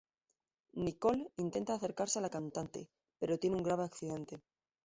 Nicole intenta acercarse a la cantante, pero tiene un grave accidente.